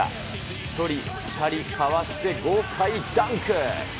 １人、２人かわして豪快ダンク。